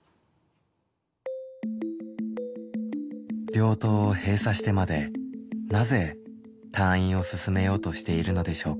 病棟を閉鎖してまでなぜ退院をすすめようとしているのでしょうか。